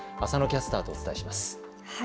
浅野キャスターとお伝えします。